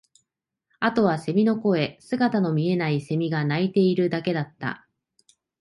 あとは蝉の声、姿の見えない蝉が鳴いているだけだった